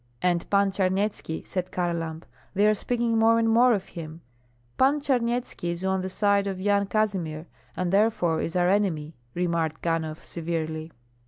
"And Pan Charnyetski," said Kharlamp; "they are speaking more and more of him." "Pan Charnyetski is on the side of Yan Kazimir, and therefore is our enemy," remarked Ganhoff, severely.